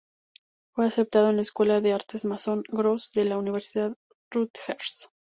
Fue aceptado en la Escuela de Artes Mason Gross de la Universidad Rutgers.